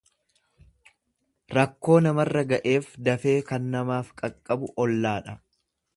Rakkoo namarra ga'eef dafee kan namaaf qaqqabu ollaadha.